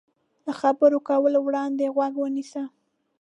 له خبرو کولو وړاندې غوږ ونیسه.